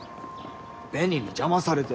紅に邪魔されて。